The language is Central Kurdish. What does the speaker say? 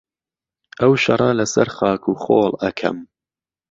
ئهو شهڕه له سهر خاک و خۆڵ ئهکهم